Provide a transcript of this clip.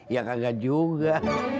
ya kagak juga